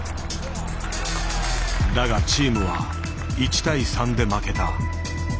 だがチームは１対３で負けた。